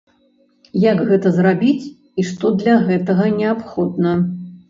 Як гэта зрабіць і што для гэтага неабходна?